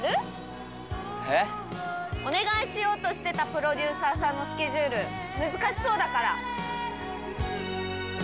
お願いしようとしてたプロデューサーさんのスケジュール、難しそうだから。